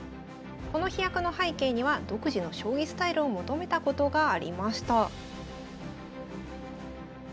この飛躍の背景には独自の将棋スタイルを求めたことがありました。